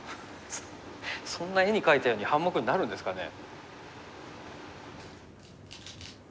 そんな絵に描いたように半目になるんですかね。